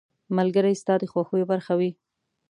• ملګری ستا د خوښیو برخه وي.